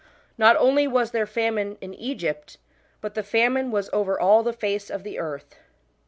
Not only was there famine in Egypt, but the famine was " over all the face of the earth."